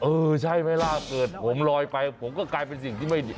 ใช่ไหมล่ะเกิดผมลอยไปผมก็กลายเป็นสิ่งที่ไม่ดี